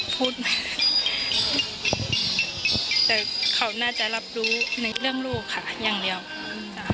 พูดมาแต่เขาน่าจะรับรู้ในเรื่องลูกค่ะอย่างเดียวจ้ะ